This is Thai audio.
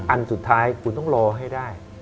อันสุดท้ายคุณต้องรอให้ได้